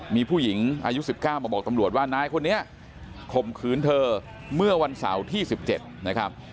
มีผู้หญิงอายุสิบเก้ามาบอกตำรวจว่านายคนนี้คมขืนเธอเมื่อวันเสาร์ที่สิบเจ็ดนะครับ